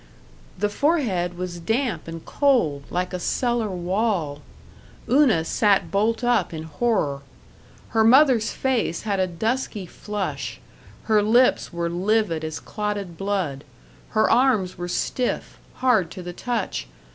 The forehead was damp and cold, like a cellar wall. Una sat bolt up in horror. Her mother's face had a dusky flush, her lips were livid as clotted blood. Her arms were stiff, hard to the touch.